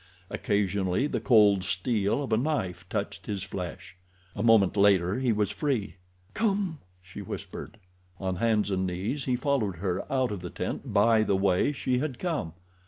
Occasionally the cold steel of a knife touched his flesh. A moment later he was free. "Come!" she whispered. On hands and knees he followed her out of the tent by the way she had come.